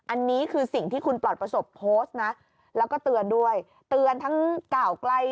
อันนี้คือสิ่งที่คุณปลอดประสบโพสต์นะแล้วก็เตือนด้วยเตือนทั้งกล่าวใกล้